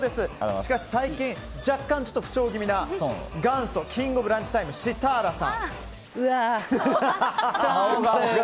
しかし最近若干不調気味な元祖キング・オブ・ランチタイムシタラさん。